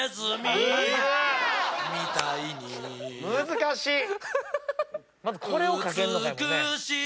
難しい！